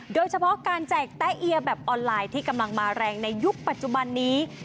โดยเฉพาะการแจกแต๊เอียแบบออนไลน์ที่กำลังมาแรงในยุคปัจจุบันนี้